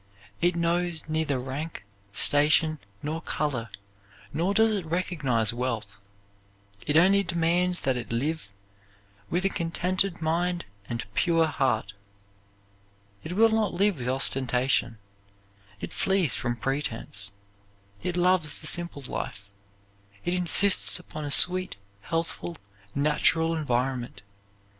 It knows neither rank, station, nor color, nor does it recognize wealth. It only demands that it live with a contented mind and pure heart. It will not live with ostentation; it flees from pretense; it loves the simple life; it insists upon a sweet, healthful, natural environment.